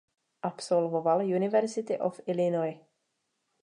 Absolvoval University of Illinois.